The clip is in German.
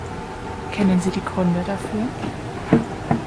Kennen Sie die Gründe dafür?